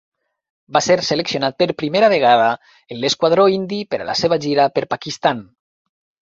Va ser seleccionat per primera vegada en l'esquadró indi per a la seva gira per Pakistan.